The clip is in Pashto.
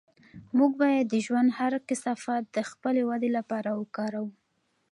موږ باید د ژوند هر کثافت د خپلې ودې لپاره وکاروو.